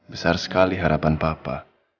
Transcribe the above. besar sekali harapan papa